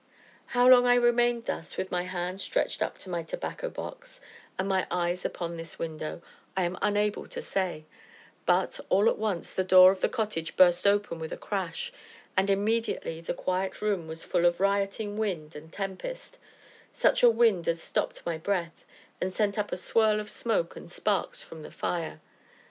How long I remained thus, with my hand stretched up to my tobacco box, and my eyes upon this window, I am unable to say, but, all at once, the door of the cottage burst open with a crash, and immediately the quiet room was full of rioting wind and tempest; such a wind as stopped my breath, and sent up a swirl of smoke and sparks from the fire.